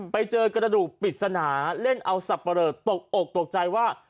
ไปเจอกระดูกปริศนาเล่นเอาสับปะเลอตกอกตกใจว่า